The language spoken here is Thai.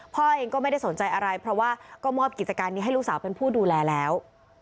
พ่อเองก็ไม่ได้สนใจอะไรเพราะว่าก็มอบกิจการนี้ให้ลูกสาวเป็นผู้ดูแลแล้ว